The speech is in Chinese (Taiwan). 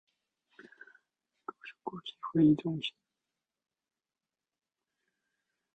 高雄國際會議中心